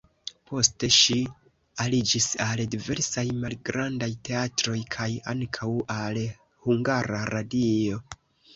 Poste ŝi aliĝis al diversaj malgrandaj teatroj kaj ankaŭ al Hungara Radio.